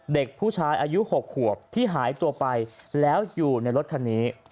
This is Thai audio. เด็กผู้ชายอายุ๖ขวบที่หายตัวไปแล้วอยู่ในรถคันนี้